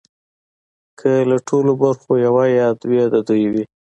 که له ټولو برخو یو یا دوه د دوی وي